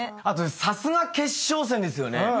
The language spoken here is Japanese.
あとさすが決勝戦ですよね。